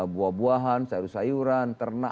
buah buahan sayur sayuran ternak